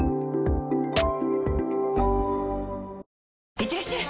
いってらっしゃい！